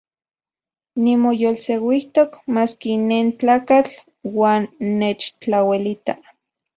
Nimoyolseuijtok maski nentlakatl uan nechtlauelita.